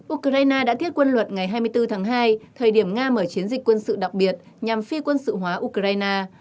ukraine đã thiết quân luật ngày hai mươi bốn tháng hai thời điểm nga mở chiến dịch quân sự đặc biệt nhằm phi quân sự hóa ukraine